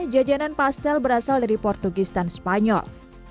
jajanan pastel berasal dari portugis dan spanyol